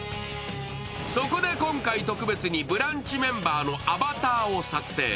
そこで今回、特別にブランチメンバーのアバターを作成。